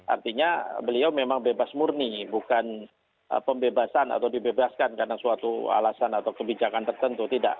artinya beliau memang bebas murni bukan pembebasan atau dibebaskan karena suatu alasan atau kebijakan tertentu tidak